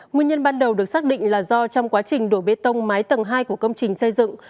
nguyên nhân ban đầu được xác định là do trong quá trình đổ bê tông mái tầng hai của công trình xây dựng